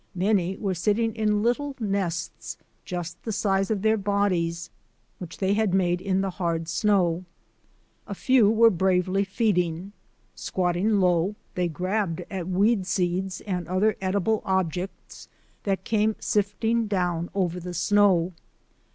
Many were sitting in little nests just the size of their bodies, which they had made in the hard snow. A few were bravely feeding. Squatting low, they grabbed at weed seeds and other edible objects that came sifting down over the snow.